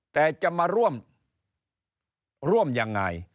แต่จะมาร่วมยังไง